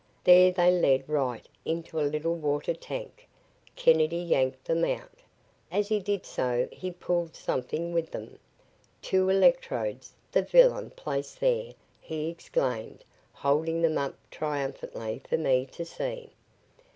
There they led right into a little water tank. Kennedy yanked them out. As he did so he pulled something with them. "Two electrodes the villain placed there," he exclaimed, holding them up triumphantly for me to see.